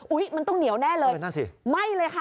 อุ๊ยมันต้องเหนียวแน่เลยไม่เลยค่ะ